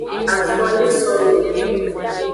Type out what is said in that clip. Afo ne so no wo.